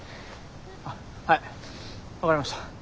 はい分かりました。